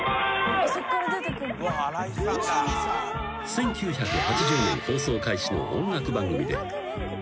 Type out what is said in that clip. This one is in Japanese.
［１９８０年放送開始の音楽番組で］